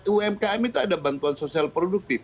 umkm itu ada bantuan sosial produktif